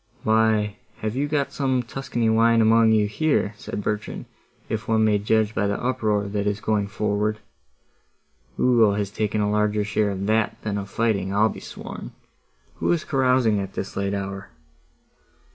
"Why, you have got some Tuscany wine among you, here," said Bertrand, "if one may judge by the uproar that is going forward. Ugo has taken a larger share of that than of fighting, I'll be sworn. Who is carousing at this late hour?"